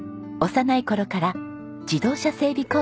幼い頃から自動車整備